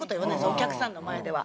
お客さんの前では。